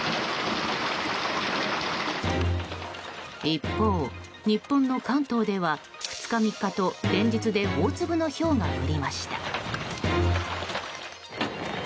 一方、日本の関東では２日、３日と連日で大粒のひょうが降りました。